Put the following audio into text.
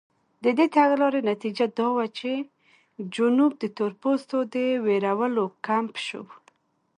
د دې تګلارې نتیجه دا وه چې جنوب د تورپوستو د وېرولو کمپ شو.